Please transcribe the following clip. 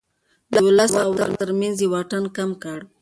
د ولس او واک ترمنځ يې واټن کم کړ.